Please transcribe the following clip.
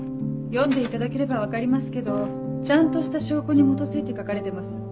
読んでいただければ分かりますけどちゃんとした証拠に基づいて書かれてます。